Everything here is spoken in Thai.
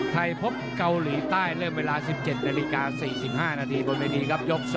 ไทยพบเกาหลีใต้เริ่มเวลา๑๗นาฬิกา๔๕นาทีบนเวทีครับยก๒